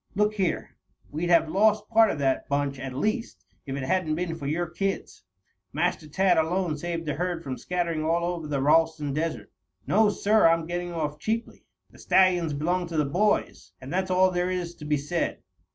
Look here! We'd have lost part of that bunch, at least, if it hadn't been for your kids. Master Tad alone saved the herd from scattering all over the Ralston Desert. No, sir, I'm getting off cheaply. The stallions belong to the boys, and that's all there is to be said.